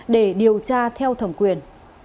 để điều tra theo thẩm quyền